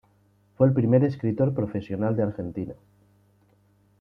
Fue el primer escritor profesional de Argentina.